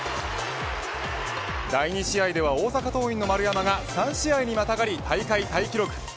第２試合では大阪桐蔭の丸山が３試合にまたがり大会タイ記録。